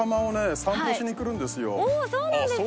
おおそうなんですか！